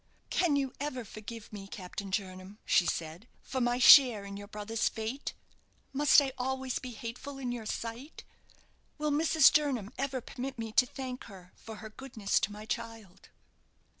"Can you ever forgive me, Captain Jernam," she said, "for my share in your brother's fate? Must I always be hateful in your sight? Will Mrs. Jernam ever permit me to thank her for her goodness to my child?"